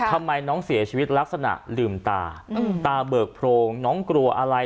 ทำไมน้องเสียชีวิตลักษณะลืมตาตาเบิกโพรงน้องกลัวอะไร